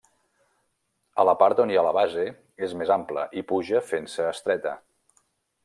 A la part on hi ha la base és més ampla i puja fent-se estreta.